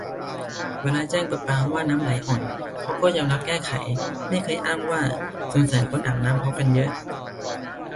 เวลาแจ้งประปาว่าน้ำไหลอ่อน เขาก็ยอมรับแก้ไข ไม่เคยอ้างว่า 'สงสัยคนอาบน้ำพร้อมกันเยอะ'